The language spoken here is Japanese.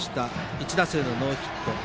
１打数のノーヒット。